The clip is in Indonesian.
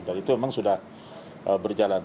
dan itu memang sudah berjalan